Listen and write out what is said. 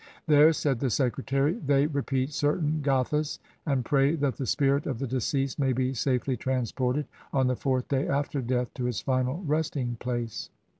"There," said the Secretary, "they re 241 INDIA peat certain Gathas, and pray that the spirit of the deceased may be safely transported on the fourth day after death to its final resting place."